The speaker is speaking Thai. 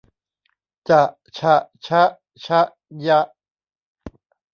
จะฉะชะฌะญะ